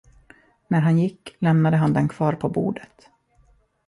När han gick, lämnade han den kvar på bordet.